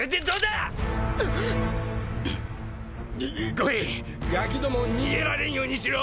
伍兵衛ガキどもを逃げられんようにしろ！